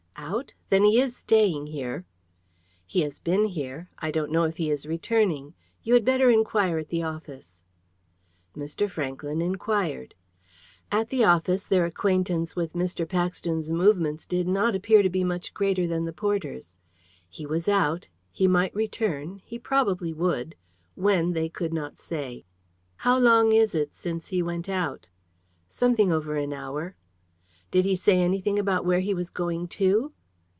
"Out? Then he is staying here?" "He has been here. I don't know if he is returning. You had better inquire at the office." Mr. Franklyn inquired. At the office their acquaintance with Mr. Paxton's movements did not appear to be much greater than the porter's. He was out. He might return. He probably would. When, they could not say. "How long ago is it since he went out?" "Something over an hour." "Did he say anything about where he was going to?"